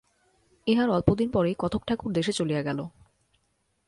ইহার অল্পদিন পরেই কথকঠাকুর দেশে চলিয়া গেল।